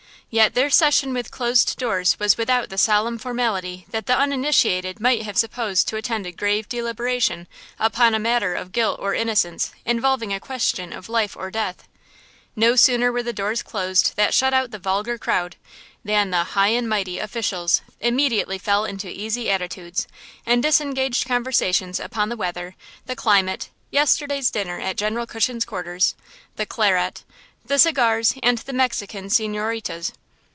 Yet their session with closed doors was without the solemn formality that the uninitiated might have supposed to attend a grave deliberation upon a matter of guilt or innocence involving a question of life or death. No sooner were the doors closed that shut out the "vulgar" crowd, than the "high and mighty" officials immediately fell into easy attitudes, and disengaged conversation upon the weather, the climate, yesterday's dinner at General Cushion's quarters, the claret, the cigars and the Mexican signoritas.